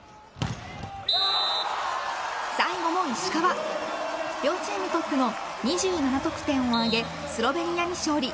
最後も石川両チームのトップの２７得点を挙げスロベニアに勝利。